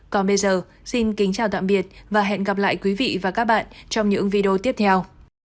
còn bây giờ xin kính chào tạm biệt và hẹn gặp lại quý vị và các bạn trong những video tiếp theo